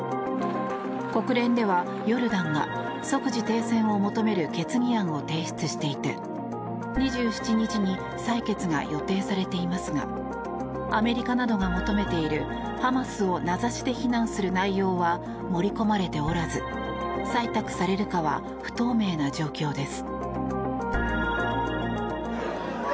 国連では、ヨルダンが即時停戦を求める決議案を提出していて２７日に採決が予定されていますがアメリカなどが求めているハマスを名指しで非難する内容は盛り込まれておらず採択されるかは不透明な状況です。